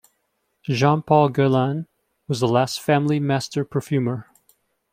Jean-Paul Guerlain was the last family master perfumer.